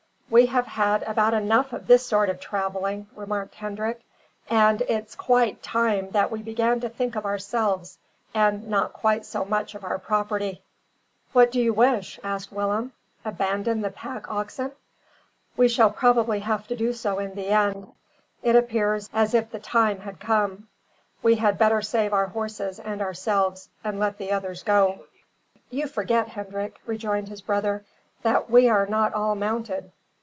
"We have had about enough of this sort of travelling," remarked Hendrik, "and it's quite time that we began to think of ourselves, and not quite so much of our property." "What do you wish?" asked Willem. "Abandon the pack oxen?" "We shall probably have to do so in the end. It appears as if the time had come. We had better save our horses and ourselves and let the others go." "You forget, Hendrik," rejoined his brother, "that we are not all mounted.